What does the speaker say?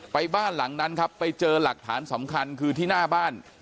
บ้านหลังนั้นครับไปเจอหลักฐานสำคัญคือที่หน้าบ้าน